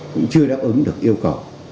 cũng chưa đáp ứng được yêu cầu